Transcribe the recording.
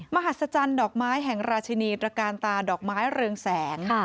มหัศจรรย์ดอกไม้แห่งราชินีตระกาลตาดอกไม้เรืองแสง